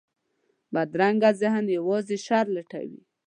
بدرنګه ذهن یوازې شر لټوي